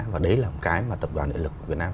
và đấy là một cái mà tập đoàn địa lực việt nam